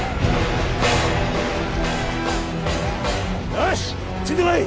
よしついてこい！